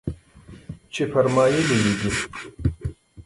چې فرمايلي يې دي.